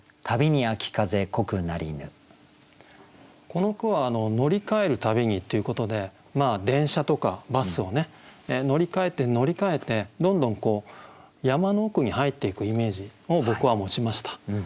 この句は「乗り換へるたびに」っていうことで電車とかバスを乗り換えて乗り換えてどんどん山の奥に入っていくイメージを僕は持ちました。